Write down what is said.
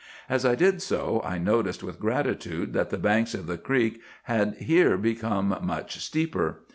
As I did so, I noticed with gratitude that the banks of the creek had here become much steeper.